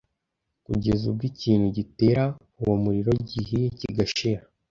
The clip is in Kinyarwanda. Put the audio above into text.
kugeza ubwo ikintu gitera uwo muriro gihiye kigashira